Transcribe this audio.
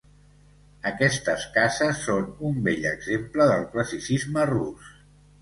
Aquestes cases són un bell exemple del classicisme rus.